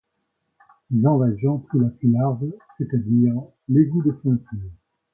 Jean Valjean prit la plus large, c’est-à-dire l’égout de ceinture.